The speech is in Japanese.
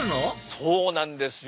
そうなんですよ。